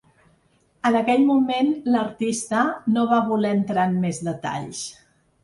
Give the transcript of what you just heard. En aquell moment l’artista no va voler entrar en més detalls.